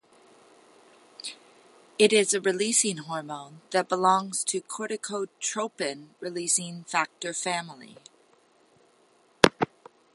It is a releasing hormone that belongs to corticotropin-releasing factor family.